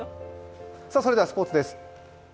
それではスポーツです。